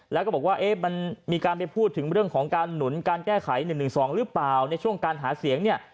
แล้วก็บอกว่ามันมีการไปพูดถึงเรื่องของการหนุนการแก้ไข๑๑๒หรือเปล่าในช่วงการหาเสียงเนี่ย